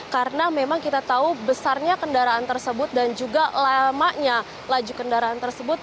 karena memang kita tahu besarnya kendaraan tersebut dan juga lamanya laju kendaraan tersebut